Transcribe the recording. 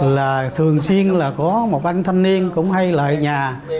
là thường xuyên là có một anh thanh niên cũng hay là nhà